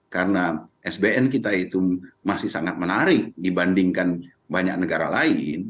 karena sbn kita itu masih sangat menarik dibandingkan banyak negara lain